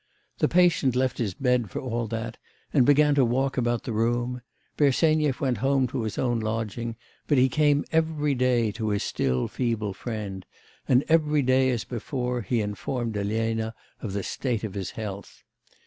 The patient left his bed for all that, and began to walk about the room; Bersenyev went home to his own lodging, but he came every day to his still feeble friend; and every day as before he informed Elena of the state of his health.